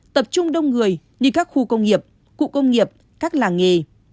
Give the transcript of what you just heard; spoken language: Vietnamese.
tập trung đông người như các khu công nghiệp cụ công nghiệp các làng nghề